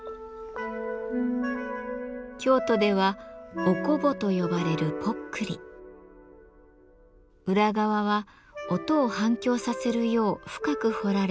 京都では「おこぼ」と呼ばれる裏側は音を反響させるよう深く彫られ鼻緒に鈴が結ばれています。